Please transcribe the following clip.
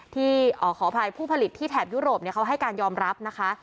ขออภัยผู้ผลิตที่แถบยุโรปเขาให้การยอมรับนะคะ